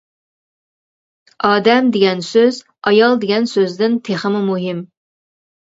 ‹ ‹ئادەم› › دېگەن سۆز ‹ ‹ئايال› › دېگەن سۆزدىن تېخىمۇ مۇھىم.